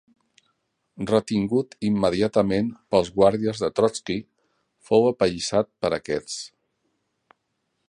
Retingut immediatament pels guàrdies de Trotski fou apallissat per aquests.